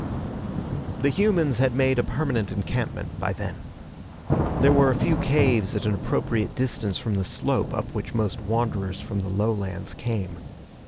The humans had made a permanent encampment by then. There were a few caves at an appropriate distance from the slope up which most wanderers from the lowlands came.